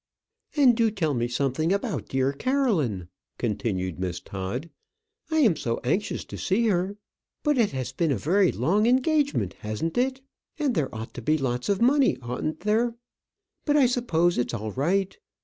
"And do tell me something about dear Caroline," continued Miss Todd. "I am so anxious to see her. But it has been a very long engagement, hasn't it? and there ought to be lots of money, oughtn't there? But I suppose it's all right.